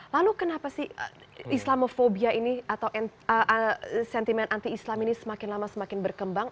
lalu kenapa sih islamofobia ini atau sentimen anti islam ini semakin lama semakin berkembang